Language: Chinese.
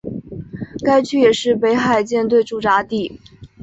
该区也是北海舰队驻扎地。